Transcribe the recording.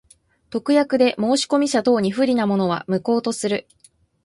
特約で申込者等に不利なものは、無効とする。